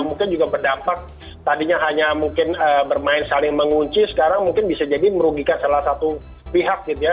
mungkin juga berdampak tadinya hanya mungkin bermain saling mengunci sekarang mungkin bisa jadi merugikan salah satu pihak gitu ya